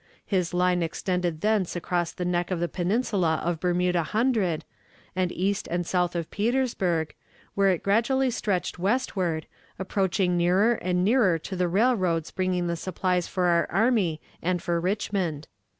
His line extended thence across the neck of the peninsula of Bermuda Hundred, and east and south of Petersburg, where it gradually stretched westward, approaching nearer and nearer to the railroads bringing the supplies for our army and for Richmond.